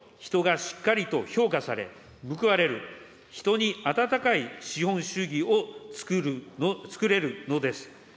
だからこそ、人がしっかりと評価され、報われる、人に温かい資本主義を作れるのです。